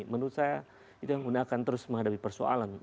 menurut saya itu yang akan terus menghadapi persoalan